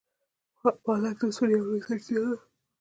پالک د اوسپنې یوه لویه سرچینه ده.